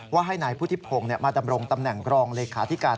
ให้นายพุทธิพงศ์มาดำรงตำแหน่งรองเลขาธิการ